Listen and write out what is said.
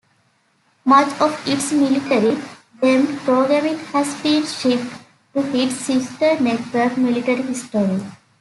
Much of its military-themed programming has been shifted to its sister network Military History.